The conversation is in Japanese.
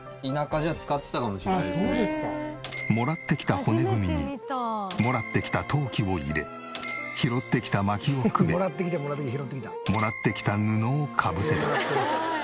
もらってきた骨組みにもらってきた陶器を入れ拾ってきた薪をくべもらってきた布をかぶせたら。